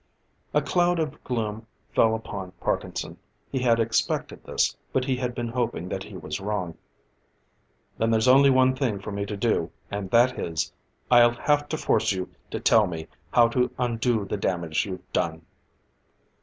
A cloud of gloom fell upon Parkinson. He had expected this; but he had been hoping that he was wrong. "Then there's only one thing for me to do, and that is: I'll have to force you to tell me how to undo the damage you've done."